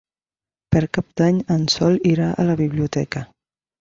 Per Cap d'Any en Sol irà a la biblioteca.